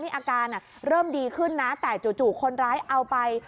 อาการเริ่มดีขึ้นนะแต่จู่คนร้ายเอาไป